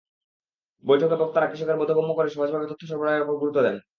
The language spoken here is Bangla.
বৈঠকে বক্তারা কৃষকের বোধগম্য করে সহজ ভাবে তথ্য সরবরাহের ওপরে গুরুত্ব দেন।